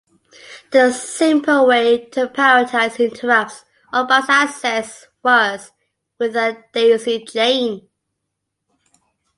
The simple way to prioritize interrupts or bus access was with a daisy chain.